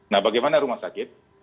nah bagaimana rumah sakit